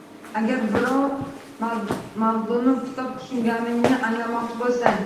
Agar biror mavzuni, kitobni tushunganingni anglamoqchi bo‘lsang